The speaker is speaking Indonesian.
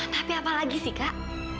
tapi apalagi sih kak